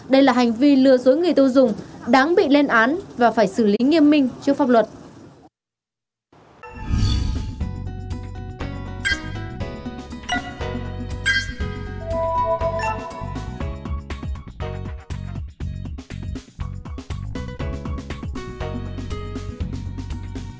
đây là hành vi lừa dối người tiêu dùng đáng bị lên án và phải xử lý nghiêm minh trước pháp luật